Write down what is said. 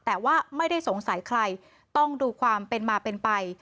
แต่ว่าไม่ได้สงสัยใครต้องดูความเป็นมาเป็นไป